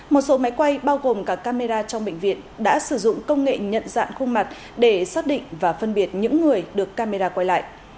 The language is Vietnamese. một số máy quay bao gồm cả camera trong bệnh viện đã sử dụng công nghệ nhận dạng khuôn mặt để xác định và phân biệt những người được camera quay lại